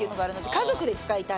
家族で使いたい！